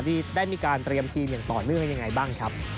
ได้มีการเตรียมทีมอย่างต่อเนื่องยังไงบ้างครับ